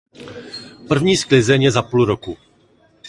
První sklizeň je za půl roku.